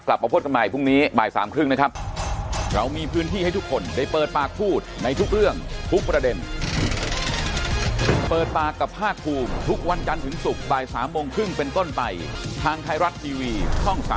กลับมาพบกันใหม่พรุ่งนี้บ่ายสามครึ่งนะครับ